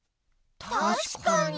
たしかに。